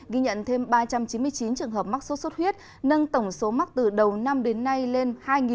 ghi nhận thêm ba trăm chín mươi chín trường hợp mắc sốt xuất huyết nâng tổng số mắc từ đầu năm đến nay lên hai hai trăm linh một